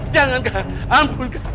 jangan kak ampun